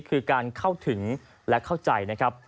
คือการเข้าถึงและเข้าใจนะครับ